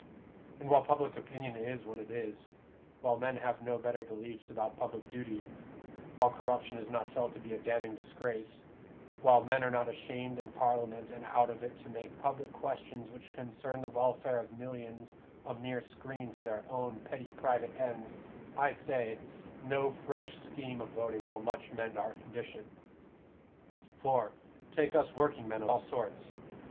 And while public opinion is what it is while men have no better beliefs about public duty while corruption is not felt to be a damning disgrace while men are not ashamed in Parliament and out of it to make public questions which concern the welfare of millions a mere screen for their own petty private ends, I say, no fresh scheme of voting will much mend our condition. For, take us workingmen of all sorts.